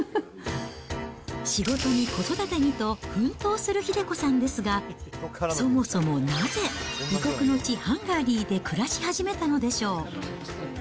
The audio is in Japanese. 仕事に子育てにと、奮闘する英子さんですが、そもそもなぜ、異国の地、ハンガリーで暮らし始めたのでしょう。